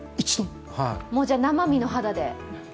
もう、じゃあ生身の肌で？